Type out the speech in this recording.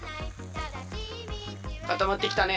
かたまってきたね。